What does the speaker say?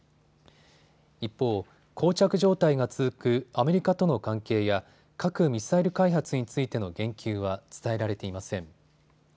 一方、こう着状態が続くアメリカとの関係や核・ミサイル開発についての言及は伝えられていません。